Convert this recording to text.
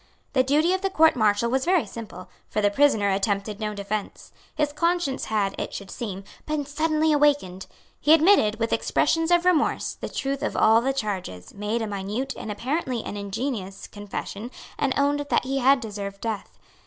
The duty of the Court Martial was very simple; for the prisoner attempted no defence. His conscience had, it should seem, been suddenly awakened. He admitted, with expressions of remorse, the truth of all the charges, made a minute, and apparently an ingenuous, confession, and owned that he had deserved death.